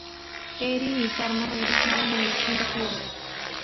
Eri y Tarma regresaron en el quinto juego.